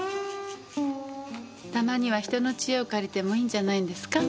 たまには人の知恵を借りてもいいんじゃないんですか？